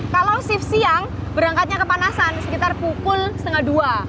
kalau shift siang berangkatnya kepanasan sekitar pukul setengah dua